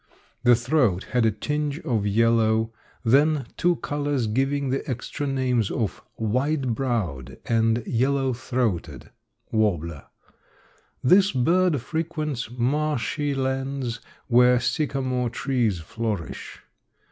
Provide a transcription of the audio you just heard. The throat had a tinge of yellow; then two colors giving the extra names of "white browed" and "yellow throated" warbler. This bird frequents marshy lands where sycamore trees flourish.